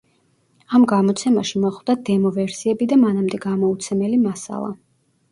ამ გამოცემაში მოხვდა დემო ვერსიები და მანამდე გამოუცემელი მასალა.